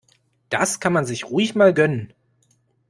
Das kann man sich ruhig mal gönnen.